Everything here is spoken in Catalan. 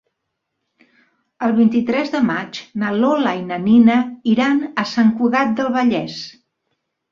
El vint-i-tres de maig na Lola i na Nina iran a Sant Cugat del Vallès.